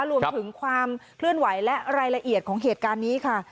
รวมถึงความเคลื่อนไหวและรายละเอียดของเหตุการณ์นี้ค่ะ